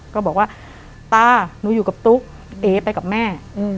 ก็บอกว่าตาหนูอยู่กับตุ๊กเอ๋ไปกับแม่